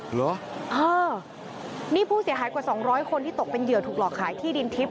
เหรอเออนี่ผู้เสียหายกว่าสองร้อยคนที่ตกเป็นเหยื่อถูกหลอกขายที่ดินทิพย